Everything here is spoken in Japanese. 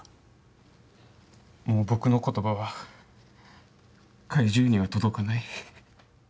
もう僕のことばは怪獣には届かない。